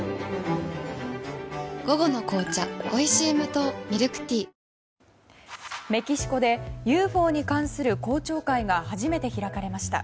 午後の紅茶おいしい無糖ミルクティーメキシコでＵＦＯに関する公聴会が初めて開かれました。